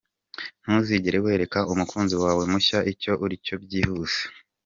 Ntuzigere wereka umukunzi wawe mushya icyo uricyo byihuse.